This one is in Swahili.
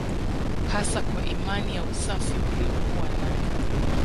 Hasa kwa imani ya usafi waliyokuwa nayo